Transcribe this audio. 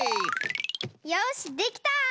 よしできた！